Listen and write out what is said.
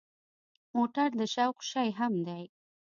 موټر د شوق شی هم دی.